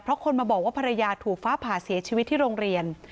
เพราะคนมาบอกว่าภรรยาถูกฟ้าผ่าเสียชีวิตที่โรงเรียน